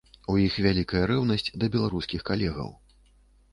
У іх вялікая рэўнасць да беларускіх калегаў.